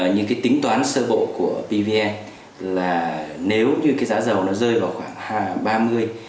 những cái tính toán sơ bộ của pvn là nếu như cái giá dầu nó rơi vào khoảng hai